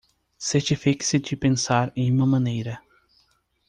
Certifique-se de pensar em uma maneira